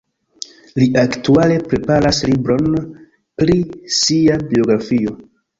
Li aktuale preparas libron pri sia biografio.